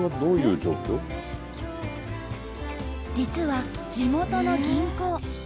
実は地元の銀行。